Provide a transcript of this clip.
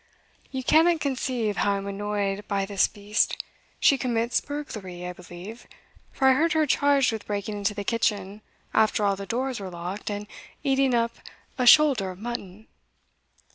You cannot conceive how I am annoyed by this beast she commits burglary, I believe, for I heard her charged with breaking into the kitchen after all the doors were locked, and eating up a shoulder of mutton.